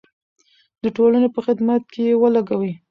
د ټولنې په خدمت کې یې ولګوئ.